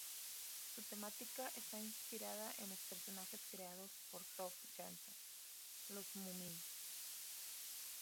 Su temática está inspirada en los personajes creados por Tove Jansson, los Mumin.